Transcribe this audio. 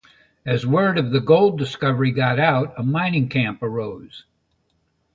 As word of the gold discovery got out, a mining camp arose.